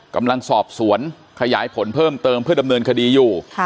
กำลังสอบสวนขยายผลเพิ่มเติมเพื่อดำเนินคดีอยู่